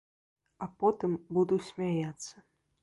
А потым буду смяяцца.